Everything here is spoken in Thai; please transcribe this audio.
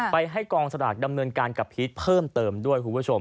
ไปให้กองสลากดำเนินการกับพีชเพิ่มเติมด้วยคุณผู้ชม